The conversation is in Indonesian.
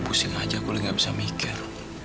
pusing aja aku lagi gak bisa mikir